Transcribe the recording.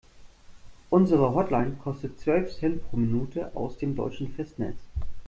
Unsere Hotline kostet zwölf Cent pro Minute aus dem deutschen Festnetz.